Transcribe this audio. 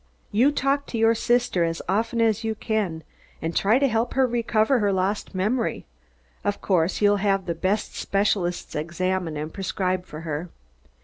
"You talk to your sister as often as you can and try to help her recover her lost memory. Of course you'll have the best specialists examine and prescribe for her.